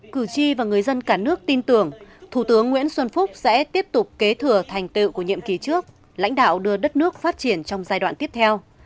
cử tri và người dân cả nước tin tưởng thủ tướng nguyễn xuân phúc sẽ tiếp tục kế thừa thành tựu của nhiệm kỳ trước lãnh đạo đưa đất nước phát triển trong giai đoạn tiếp theo